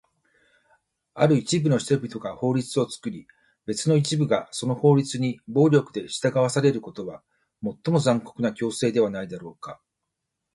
ある一部の人々が法律を作り、別の一部がその法律に暴力で従わされることは、最も残酷な強制ではないだろうか？